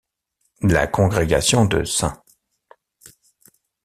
La congrégation de St.